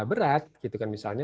berat gitu kan misalnya